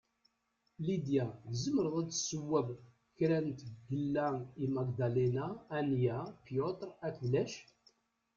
Lidia, tezemreḍ ad tessewweḍ kra n tgella i Magdalena, Ania, Piotr akked Lech?